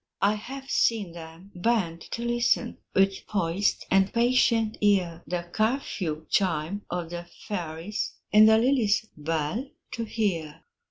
I have seen them bend to listen, With poised and patient ear, The curfew chime of the fairies, In the lily's bell to hear.